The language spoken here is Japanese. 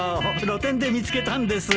露店で見つけたんです。